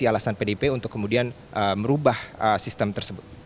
nah ini apa saja yang melandasi alasan pdip untuk kemudian merubah sistem tersebut